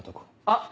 あっ！